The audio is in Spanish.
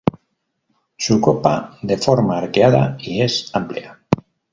Su copa de forma arqueada y es amplia.